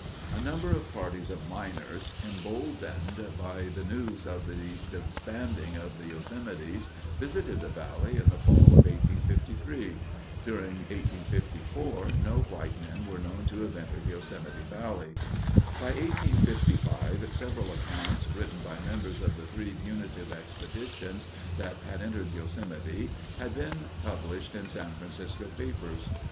A number of parties of miners, emboldened by the news of the disbanding of the Yosemites, visited the valley in the fall of 1853. During 1854 no white men are known to have entered Yosemite Valley. By 1855 several accounts written by members of the three punitive expeditions that had entered Yosemite had been published in San Francisco papers.